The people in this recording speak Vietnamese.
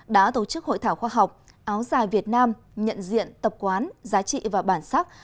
đã tổ chức hội thảo khoa học áo dài việt nam nhận diện tập quán giá trị và bản sắc